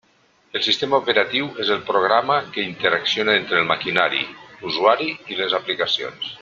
El sistema operatiu és el programa que interacciona entre el maquinari, l'usuari i les aplicacions.